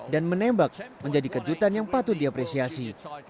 dan menembak menjadi kejutan yang patut diapresiasi